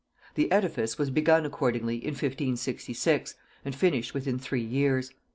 The edifice was begun accordingly in 1566, and finished within three years.